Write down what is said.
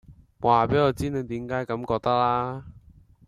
話畀我知你點解咁覺得啦